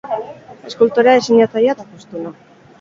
Eskultorea, diseinatzailea eta jostuna.